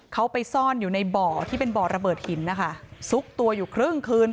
เขาไปซ่อนอยู่ในบ่อที่เป็นบ่อระเบิดหินนะคะซุกตัวอยู่ครึ่งคืน